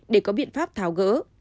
để có biện pháp tháo gỡ